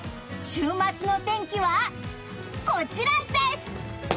週末の天気はこちらです！